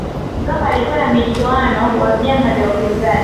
mkapa alikuwa na mchuano wa vyama vya upinzani